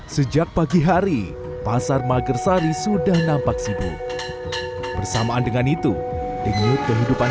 sejak pagi hari pasar magersari sudah nampak sibuk bersamaan dengan itu denyut kehidupan